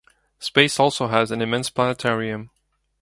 Space also has an immense planetarium.